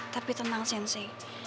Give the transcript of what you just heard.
tapi tenang sensei